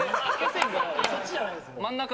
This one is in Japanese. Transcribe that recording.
そっちじゃないです。